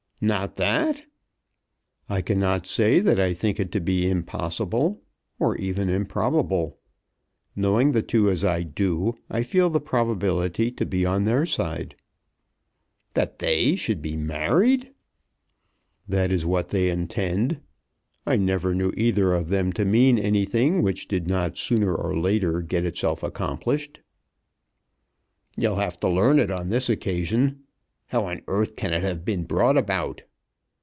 "Not that?" "I cannot say that I think it to be impossible, or even improbable. Knowing the two, as I do, I feel the probability to be on their side." "That they should be married?" "That is what they intend. I never knew either of them to mean anything which did not sooner or later get itself accomplished." "You'll have to learn it on this occasion. How on earth can it have been brought about?"